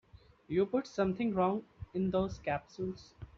You put something wrong in those capsules.